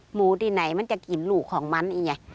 หมูที่ไหนมันจะกลิ่นลูกของมันนี่ไง